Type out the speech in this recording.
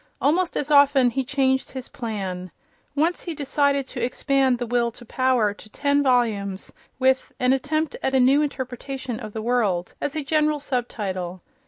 Almost as often he changed his plan. Once he decided to expand "The Will to Power" to ten volumes, with "An Attempt at a New Interpretation of the World" as a general sub title.